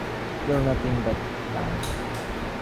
Kill nothing but time.